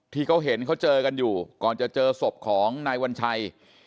ที่เขาเห็นเขาเจอกันอยู่ก่อนจะเจอศพของนายวัญชัย